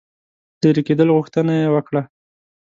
لیري کېدلو غوښتنه یې وکړه.